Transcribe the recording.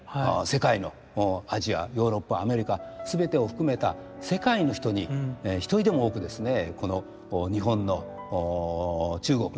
世界のアジアヨーロッパアメリカ全てを含めた世界の人に一人でも多くですね